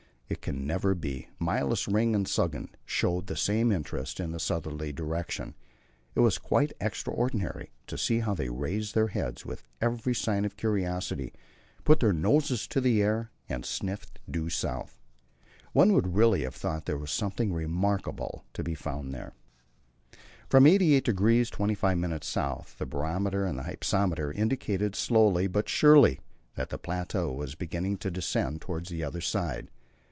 It can never be " Mylius, Ring, and Suggen, showed the same interest in the southerly direction; it was quite extraordinary to see how they raised their heads, with every sign of curiosity, put their noses in the air, and sniffed due south. One would really have thought there was something remarkable to be found there. From 88° 25' S. the barometer and hypsometer indicated slowly but surely that the plateau was beginning to descend towards the other side.